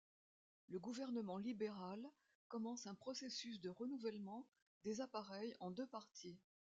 Le gouvernement libéral commence un processus de renouvellement des appareils en deux parties.